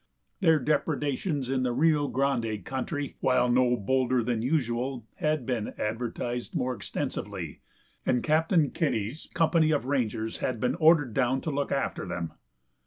Their depredations in the Rio Grande country, while no bolder than usual, had been advertised more extensively, and Captain Kinney's company of rangers had been ordered down to look after them.